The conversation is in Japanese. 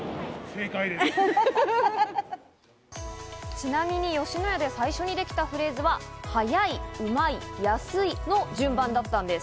ちなみに吉野家で最初にできたフレーズは「はやい」「うまい」「やすい」の順番だったんです。